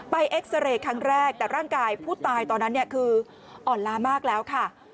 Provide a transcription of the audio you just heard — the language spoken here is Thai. เอ็กซาเรย์ครั้งแรกแต่ร่างกายผู้ตายตอนนั้นคืออ่อนล้ามากแล้วค่ะ